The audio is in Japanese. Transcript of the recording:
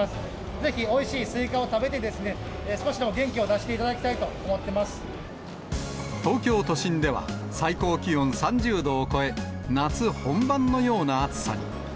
ぜひおいしいスイカを食べて、少しでも元気を出していただきた東京都心では、最高気温３０度を超え、夏本番のような暑さに。